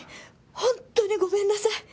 ホントにごめんなさい。